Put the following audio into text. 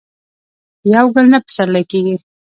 په يو ګل نه پسرلی کيږي.